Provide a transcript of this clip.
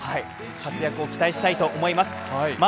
活躍を期待したいと思います。